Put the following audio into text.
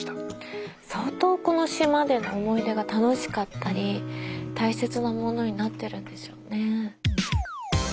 相当この島での思い出が楽しかったり大切なものになってるんでしょうね。